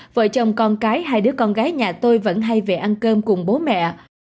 vợ chồng con cái hai đứa con gái nhà tôi vẫn hay về ăn cơm cùng bố mẹ